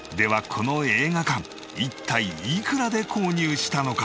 この映画館一体いくらで購入したのか？